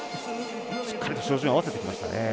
しっかりと照準、合わせてきましたね。